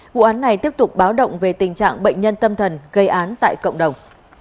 vụ án này tiếp tục báo động về tình trạng bệnh nhân tâm thần gây án tại cộng đồng